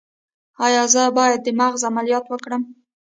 ایا زه باید د مغز عملیات وکړم؟